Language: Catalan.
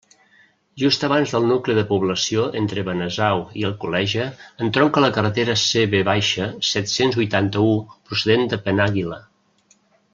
Just abans del nucli de població, entre Benasau i Alcoleja, entronca la carretera CV set-cents huitanta-u procedent de Penàguila.